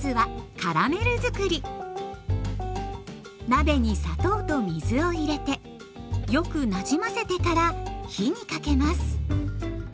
鍋に砂糖と水を入れてよくなじませてから火にかけます。